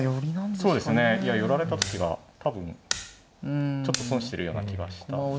そうですねいや寄られた時が多分ちょっと損してるような気がしたんで。